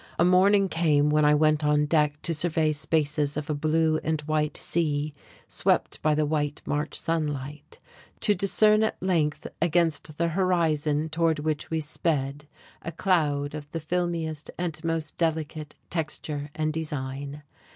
A morning came when I went on deck to survey spaces of a blue and white sea swept by the white March sunlight; to discern at length against the horizon toward which we sped a cloud of the filmiest and most delicate texture and design.